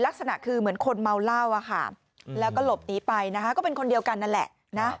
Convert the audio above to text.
ลักษณะคือเหมือนคนเมาเหล้าอะค่ะแล้วก็หลบหนีไปนะคะก็เป็นคนเดียวกันนั่นแหละนะ